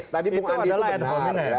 tadi bang andi itu benar